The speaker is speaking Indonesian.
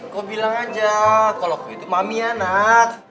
kau bilang aja kalau begitu mami anak